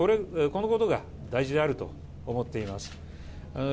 このことが大事であると思っています。